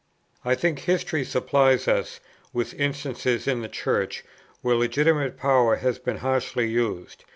I think history supplies us with instances in the Church, where legitimate power has been harshly used.